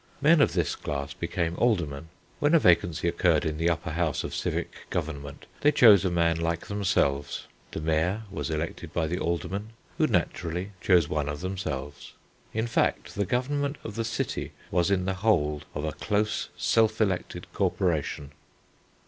Men of this class became Aldermen. When a vacancy occurred in the upper house of civic government, they chose a man like themselves. The Mayor was elected by the Aldermen, who naturally chose one of themselves. In fact the government of the city was in the hold of a "close self elected Corporation."